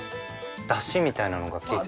だしみたいなのが効いて。